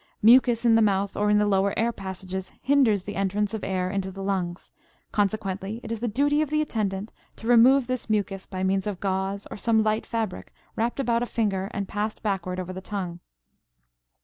Mucus in the mouth or in the lower air passages hinders the entrance of air into the lungs; consequently it is the duty of the attendant to remove this mucus by means of gauze or some light fabric wrapped about a finger and passed backward over the tongue.